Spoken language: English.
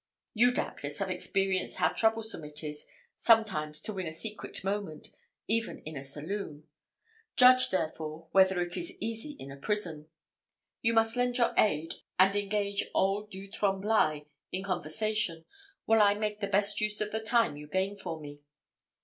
You doubtless have experienced how troublesome it is sometimes to win a secret moment, even in a saloon; judge, therefore, whether it is easy in a prison. You must lend your aid, and engage old Du Tremblai in conversation, while I make the best use of the time you gain for me."